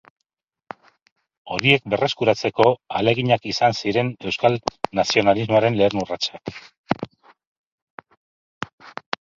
Horiek berreskuratzeko ahaleginak izan ziren euskal nazionalismoaren lehen urratsak.